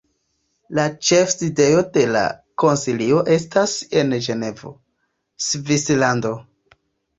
La ĉefsidejo de la Konsilio estas en Ĝenevo, Svislando.